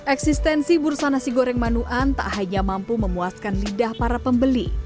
eksistensi bursa nasi goreng manuan tak hanya mampu memuaskan lidah para pembeli